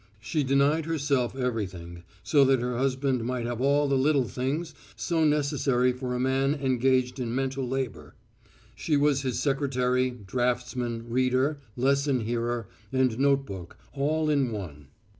She denied herself everything so that her husband might have all the little things so necessary for a man engaged in mental labour; she was his secretary, draughtsman, reader, lesson hearer, and note book all in one.